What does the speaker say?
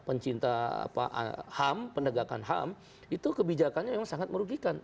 dan pencinta ham pendagangan ham itu kebijakannya memang sangat merugikan